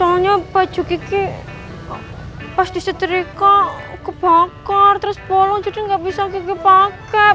akhirnya baju kiki pas disetrika kebakar terus bolong jadi nggak bisa kiki pakai